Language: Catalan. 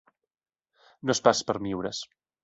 No és pas per miures.